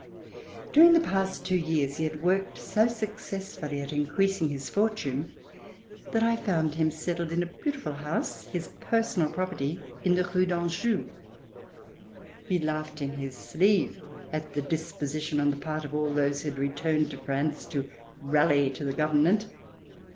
During the past two years he had worked so successfully at increasing his fortune that I found him settled in a beautiful house, his personal property, in the Rue d'Anjou. He laughed in his sleeve at the disposition on the part of all those who had returned to France to rally to the government.